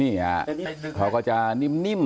นี่เขาคอยจะนิ่ม